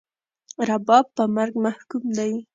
رباب په مرګ محکوم دی